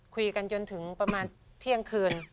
คุยกันจนถึงประมาณเที่ยงคืน